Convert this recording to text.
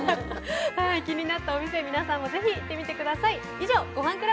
気になったお店、皆さんもぜひ行ってみてください。